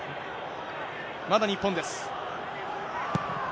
まだ日本です。